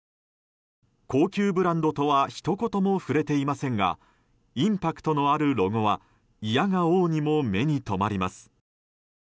高級ブランドとはひと言も触れていませんがインパクトのあるロゴはいやが応にも目に留まります。